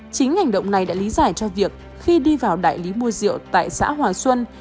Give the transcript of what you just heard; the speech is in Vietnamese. chính hành động này đã lý giải cho việc khi đi vào đại lý mua rượu tại xã hòa xuân